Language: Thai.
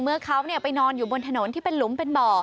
เมื่อเขาไปนอนอยู่บนถนนที่เป็นหลุมเป็นบ่อ